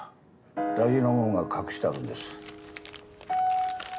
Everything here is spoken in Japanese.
大事なもんが隠してあるんです。